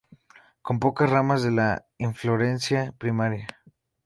Con pocas ramas de la inflorescencia primaria.